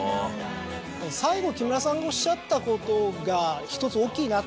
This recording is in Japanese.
最後木村さんがおっしゃったことが１つ大きいなと。